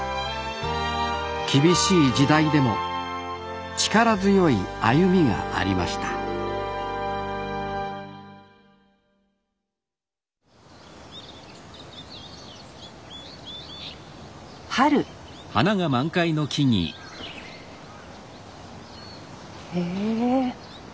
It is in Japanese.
厳しい時代でも力強い歩みがありました春へえ。